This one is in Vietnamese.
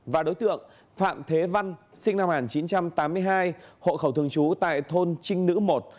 và đối tượng phạm thế văn sinh năm một nghìn chín trăm tám mươi hai hộ khẩu thường trú tại thôn trinh nữ một